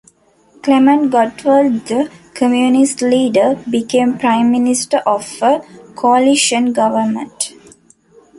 Klement Gottwald, the communist leader, became Prime Minister of a coalition government.